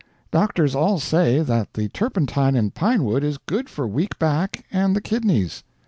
Doctors all say that the turpentine in pine wood is good for weak back and the kidneys."